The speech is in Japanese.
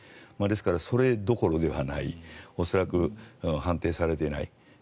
ですから、それどころではない恐らく判定されていない